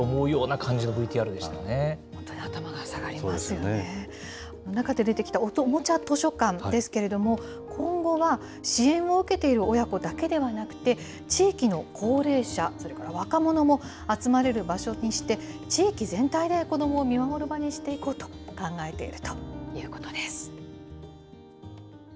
この中で出てきた、おもちゃ図書館ですけれども、今後は、支援を受けている親子だけではなくて、地域の高齢者、それから若者も集まれる場所にして、地域全体で子どもを見守る場にしていこうと考えているということです。